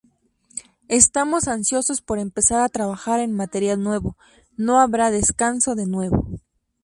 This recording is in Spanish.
Estamos ansiosos por empezar a trabajar en material nuevo, no habrá descanso de nuevo".